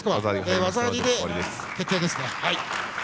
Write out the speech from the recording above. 技ありで決定ですね。